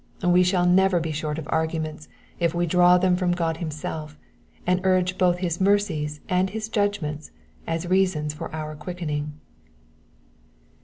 We shall never be short of arguments if we draw them from God himself, and urge both his mercies and his judgments as reasons for our quickening.